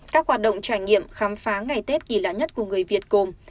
các hoạt động trải nghiệm khám phá ngày tết kỳ lạ nhất của người việt gồm